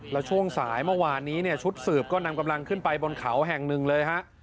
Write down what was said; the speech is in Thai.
แล้วช่วงสายเมื่อวานนี้เนี่ยชุดสืบก็นำกำลังขึ้นไปบนเขาแห่งหนึ่งเลยฮะ